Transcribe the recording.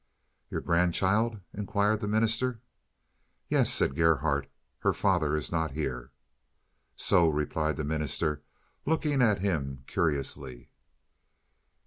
"Your grandchild?" inquired the minister. "Yes," said Gerhardt, "her father is not here." "So," replied the minister, looking at him curiously.